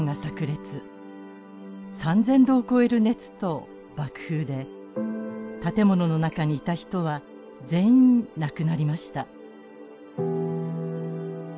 ３，０００度を超える熱と爆風で建物の中にいた人は全員亡くなりました。